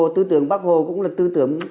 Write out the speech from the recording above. tư tưởng bắc hồ cũng là tư tưởng